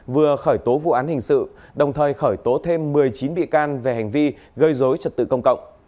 vừa khởi tố vụ án hình sự đồng thời khởi tố thêm một mươi chín bị can về hành vi gây dối trật tự công cộng